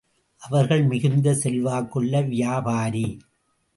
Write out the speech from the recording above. அவர் மிகுந்த செல்வாக்குள்ள வியாபாரி.